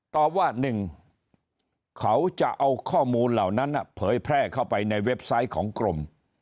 ตอบว่า๑เขาจะเอาข้อมูลเหล่านั้นเผยแพร่เข้าไปในเว็บไซต์ของกรม